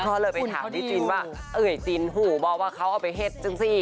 ก็เลยไปถามนิจินว่าเอ่ยจินหูบอกว่าเขาเอาไปเห็ดจังสิ